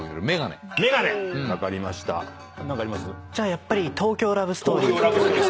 やっぱり『東京ラブストーリー』で。